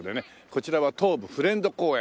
こちらは東部フレンド公園。